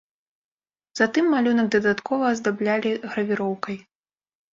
Затым малюнак дадаткова аздаблялі гравіроўкай.